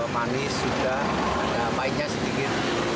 manis juga ada mainnya sedikit